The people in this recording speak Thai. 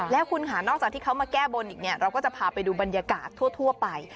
แล้วคุณค่ะนอกจากที่เขามาแก้บนอีกเนี่ยเราก็จะพาไปดูบรรยากาศทั่วไป